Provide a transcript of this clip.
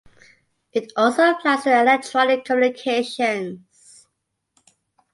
It also applies to electronic communications.